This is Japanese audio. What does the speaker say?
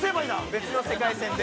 ◆別の世界線で。